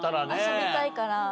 遊びたいから。